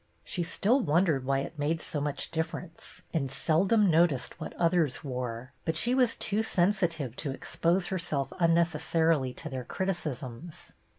She still wondered why it made so much difference, and seldom noticed what others wore ; but she was too sensi tive to expose herself unnecessarily to their criticisms.